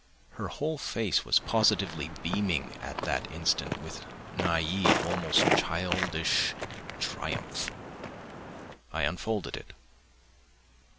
Her whole face was positively beaming at that instant with naive, almost childish, triumph. I unfolded it.